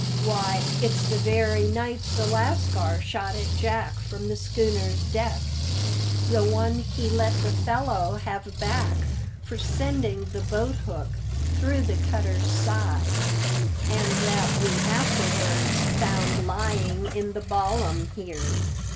"Why, it's the very knife the lascar shot at Jack from the schooner's deck; the one he let the fellow have back for sending the boathook through the cutter's side; and that we afterwards found lying in the ballam here.